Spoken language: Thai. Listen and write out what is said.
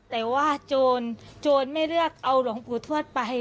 แต่ว่าโจรไม่เลือกเอาหลวงปู่ทวดไป